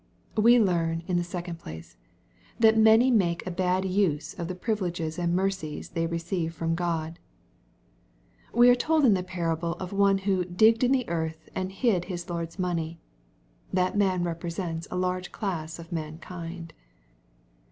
We learn in the second place, that many make a had use of the privileges and mercies they receive from God, We ai e told in the parable of one who " digged in the earth and hid his Lord's money." That man represents a large class of mankind.